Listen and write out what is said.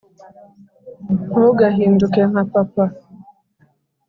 ntugahinduke nka papa,